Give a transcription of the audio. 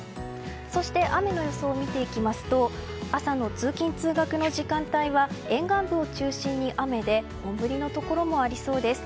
そして雨の予想を見ていきますと朝の通勤・通学の時間帯は沿岸部を中心に雨で本降りのところもありそうです。